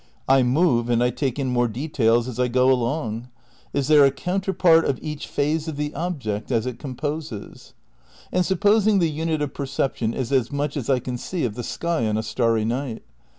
I move and I take in more details as I go along. Is there a counter part of each phase of the object as it composes? And supposing the unit of perception is as much as I can see of the sky on a starry night